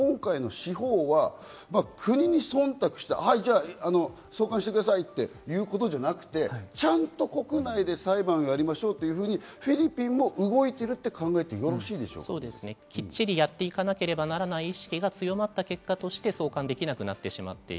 その一環として今回の司法は国に忖度して送還してくださいっていうことじゃなくて、ちゃんと国内で裁判をやりましょうというふうにフィリピンも動いているって考えてよろきっちりやっていかなければならない意識が強まった結果として、送還できなくなってしまっている。